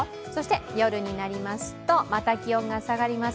夜になりますと、また気温が下がります。